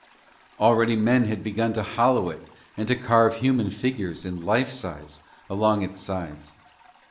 Already men had begun to hollow it and to carve human figures life size along its sides.